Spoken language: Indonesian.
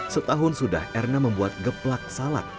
setahun sudah erna membuat geplak salak